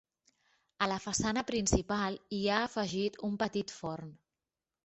A la façana principal hi ha afegit un petit forn.